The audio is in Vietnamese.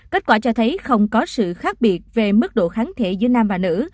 kết quả cho thấy không có sự khác biệt về mức độ kháng thể giữa nam và nữ